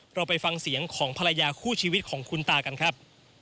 เราไปฟังเสียงของภรรยาคู่ชีวิตของคุณตากันครับ